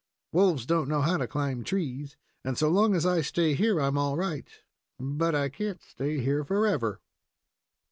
Wolves don't know how to climb trees, and so long as I stay here I'm all right; but I can't stay here forever."